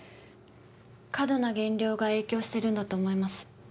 過度な減量が影響してるんだと思います。